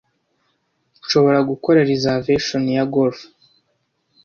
Nshobora gukora reservation ya golf?